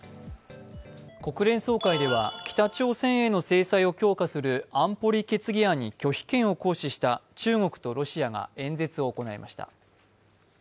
国連総会では北朝鮮への制裁を強化する安保理決議案に拒否権を行使した中国とロシアが演説を行いました。